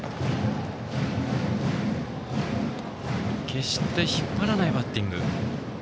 決して引っ張らないバッティング。